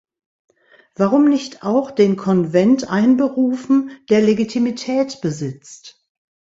Warum nicht auch den Konvent einberufen, der Legitimität besitzt?